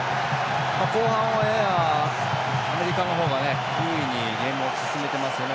後半は、ややアメリカの方が優位にゲームを進めていますよね。